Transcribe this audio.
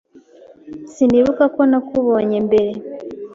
Sinibuka ko nakubonye mbere.